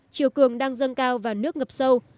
chiều cường đang dân cao và nước ngập sâu